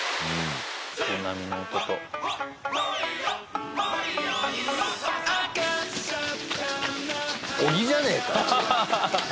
波の音と小木じゃねえか！